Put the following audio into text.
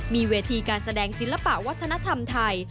มีเวทีการแสดงศิลปะวัฒนธรรมไทย